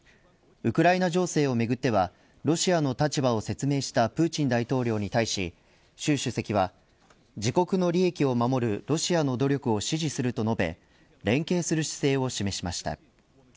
ウクライナ情勢をめぐってはロシアの立場を説明したプーチン大統領に対し習主席は自国の利益を守るロシアの努力を支持すると述べ連携する姿勢を示しました。